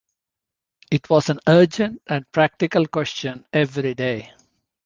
It was an urgent and practical question every day.